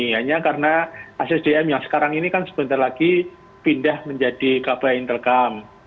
hanya karena assdm yang sekarang ini kan sebentar lagi pindah menjadi kb intelcome